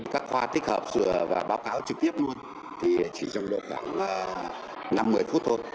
các khoa tích hợp sửa và báo cáo trực tiếp luôn thì chỉ trong độ khoảng năm một mươi phút thôi